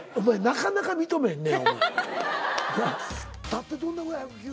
なかなか認めへんね。